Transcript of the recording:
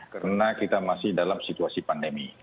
karena kita masih dalam situasi pandemi